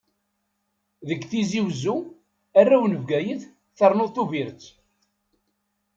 Deg Tizi Wezzu, arraw n Bgayet, ternuḍ Tubiret.